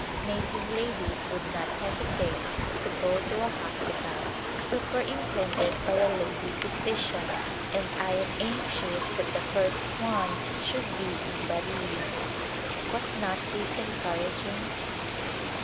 Native ladies would not hesitate to go to a hospital superintended by a lady physician, and I am anxious that the first one should be in Bareilly." Was not this encouraging